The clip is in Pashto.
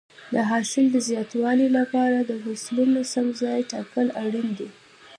د حاصل د زیاتوالي لپاره د فصلونو سم ځای ټاکل اړین دي.